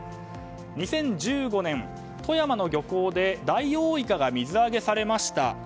２０１５年、富山の漁港でダイオウイカが水揚げされました。